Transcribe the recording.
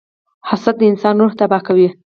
• حسد د انسان روح تباه کوي.